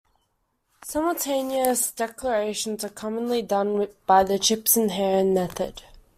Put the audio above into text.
Simultaneous declarations are commonly done by the "chips in hand" method.